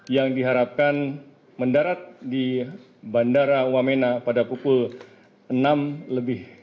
yang diharapkan mendarat di bandara wamena pada pukul enam lebih